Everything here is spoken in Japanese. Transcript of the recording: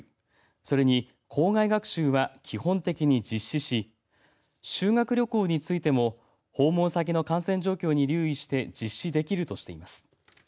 それに校外学習は基本的に実施し修学旅行についても訪問先の感染状況に留意して実施できるとしています。